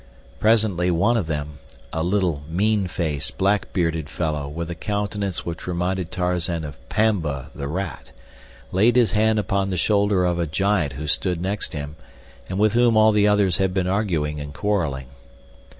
Presently one of them, a little, mean faced, black bearded fellow with a countenance which reminded Tarzan of Pamba, the rat, laid his hand upon the shoulder of a giant who stood next him, and with whom all the others had been arguing and quarreling.